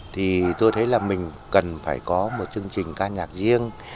thì tôi thấy là mình cần phải có một chương trình ca nhạc riêng